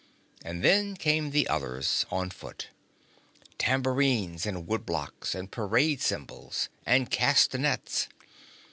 And then came the others, on foot: tambourines and wood blocks and parade cymbals and castanets.